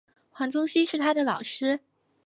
黄宗羲是他的老师。